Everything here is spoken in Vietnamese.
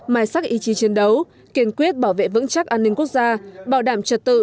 mai sắc ý chí chiến đấu kiên quyết bảo vệ vững chắc an ninh quốc gia bảo đảm trật tự